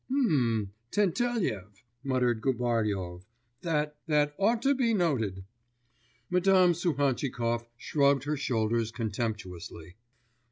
'Mm ... Tentelyev ...' muttered Gubaryov, 'that ... that ought to be noted.' Madame Suhantchikov shrugged her shoulders contemptuously.